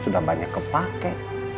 sudah banyak kepake